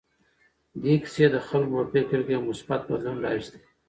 دې کیسې د خلکو په فکر کې یو مثبت بدلون راوستی.